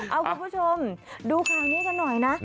เอาคุณผู้ชมดูข่าวนี้กันหน่อยนะ